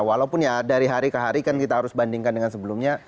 walaupun ya dari hari ke hari kan kita harus bandingkan dengan sebelumnya